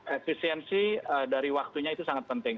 efisiensi dari waktunya itu sangat penting